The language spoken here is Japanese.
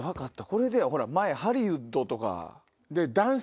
これでハリウッドとか。